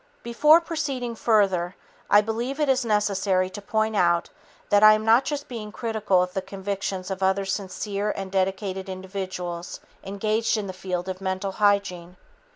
Before proceeding further, I believe it is necessary to point out that I am not just being critical of the convictions of other sincere and dedicated individuals engaged in the field of mental hygiene.